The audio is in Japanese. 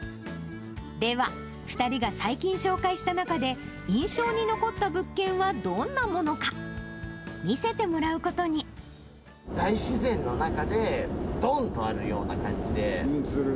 では、２人が最近、紹介した中で、印象に残った物件はどんなものか、見せてもらうこ大自然の中で、うん、する。